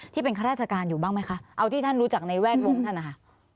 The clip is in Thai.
ข้าราชการอยู่บ้างไหมคะเอาที่ท่านรู้จักในแวดวงท่านนะคะ